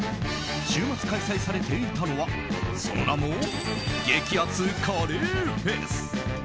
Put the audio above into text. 週末開催されていたのはその名も激アツカレーフェス。